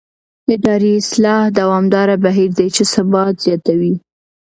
اداري اصلاح دوامداره بهیر دی چې ثبات زیاتوي